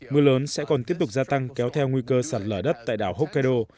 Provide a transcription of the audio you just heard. mưa lớn sẽ còn tiếp tục gia tăng kéo theo nguy cơ sẵn lờ đất tại đảo hokkaido